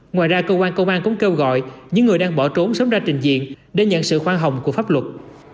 ngoài ra cơ quan công an cũng kêu gọi những người đang bỏ trốn sớm ra trình diện để nhận sự khoan hồng của pháp luật